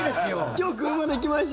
今日、車で来ました。